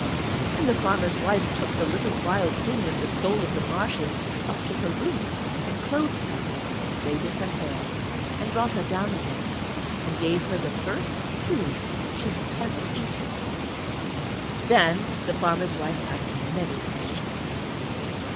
And the farmer's wife took the little Wild Thing with the soul of the marshes up to her room, and clothed her and braided her hair, and brought her down again, and gave her the first food that she had ever eaten. Then the farmer's wife asked many questions.